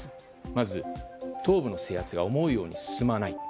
まず、東部の制圧が思うように進まない。